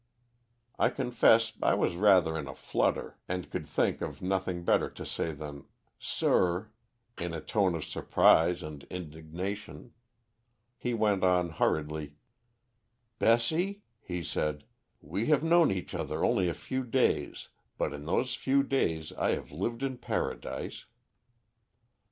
I confess I was rather in a flutter, and could think of nothing better to say than 'Sir!' in a tone of surprise and indignation. He went on hurriedly "'Bessie,' he said, 'we have known each other only a few days, but in those few days I have lived in Paradise.'